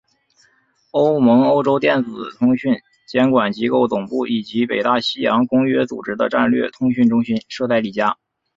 欧盟欧洲电子通讯监管机构总部以及北大西洋公约组织的战略通讯中心设在里加。